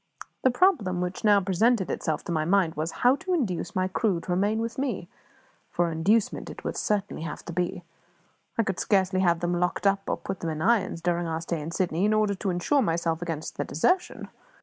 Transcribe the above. The problem which now presented itself to my mind was, how to induce my crew to remain with me? For inducement it would certainly have to be; I could scarcely have them locked up, or put them in irons during our stay in Sydney in order to insure myself against their desertion!